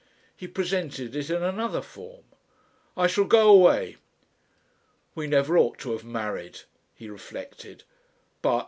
He presented it in another form. "I shall go away." "We never ought to have married," he reflected. "But